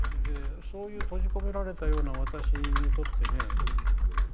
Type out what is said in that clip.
そういう閉じ込められたような私にとってね